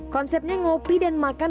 konsepnya ngopi dan makan